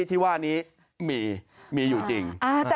ที่ว่านี้มีมีอยู่จริง